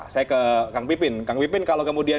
saya ke kang bipin kang bipin kalau kemudian